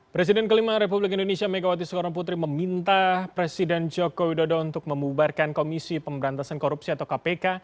presiden kelima republik indonesia megawati soekarno putri meminta presiden joko widodo untuk membubarkan komisi pemberantasan korupsi atau kpk